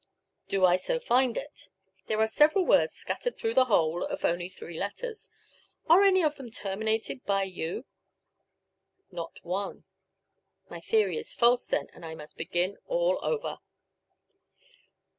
Do I so find it? There are several words scattered through the whole, of only three letters. Are any of them terminated by U? Not one. My theory is false, then, and I must begin all over.